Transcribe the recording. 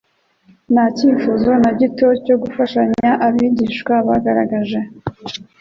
Nta cyifuzo na gito cyo gufashanya abigishwa bagaragaje.